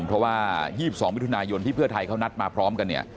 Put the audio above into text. เพราะว่า๒๒มิถุนายนที่เพื่อไทยเขานัดมาพร้อมกันเนี่ย